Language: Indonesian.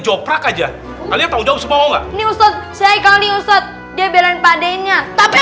joprak aja kalian tanggung jawab semua nggak nih ustadz saya kali ustadz dia belain padennya tapi